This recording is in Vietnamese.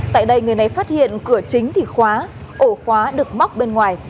tại đây người này phát hiện cửa chính thì khóa ổ khóa được móc bên ngoài